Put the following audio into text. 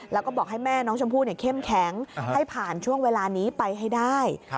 แล้วก็บอกให้แม่น้องชมพู่เข้มแข็งให้ผ่านช่วงเวลานี้ไปให้ได้